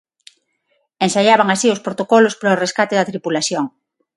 Ensaiaban así os protocolos para o rescate da tripulación.